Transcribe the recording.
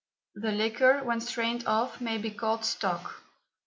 The liquor, when strained off, may be called stock.